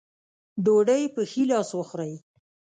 ډوډۍ پۀ ښي لاس وخورئ ـ